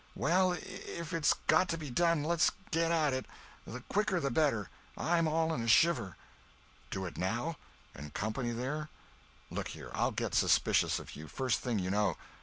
"Well, if it's got to be done, let's get at it. The quicker the better—I'm all in a shiver." "Do it now? And company there? Look here—I'll get suspicious of you, first thing you know.